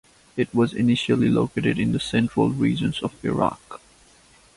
It was initially located in the central regions of Iraq.